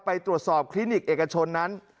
ไปตรวจสอบคลินิกเอกชนนั้น